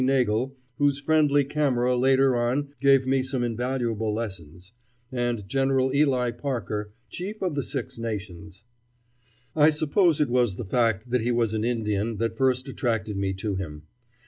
Nagle, whose friendly camera later on gave me some invaluable lessons; and General Ely Parker, Chief of the Six Nations. [Illustration: Dr. Roger S. Tracy.] I suppose it was the fact that he was an Indian that first attracted me to him.